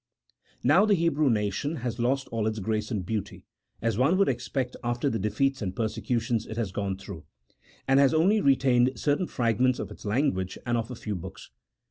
Now the Hebrew nation has lost all its grace and beauty (as one would expect after the defeats and persecutions it has gone through), and has only retained certain fragments of its language and of a few books.